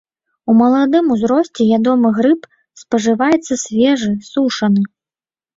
У маладым узросце ядомы грыб, спажываецца свежы, сушаны.